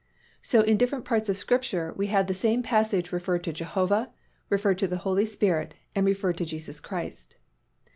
So in different parts of Scripture, we have the same passage referred to Jehovah, referred to the Holy Spirit, and referred to Jesus Christ.